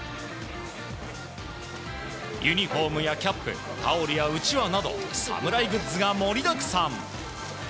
ユニホームやキャップタオルやうちわなど侍グッズが盛りだくさん。